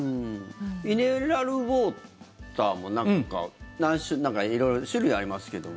ミネラルウォーターもなんか色々種類ありますけども。